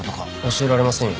「教えられませんよ」